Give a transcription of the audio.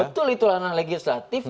betul itu ranah legislatif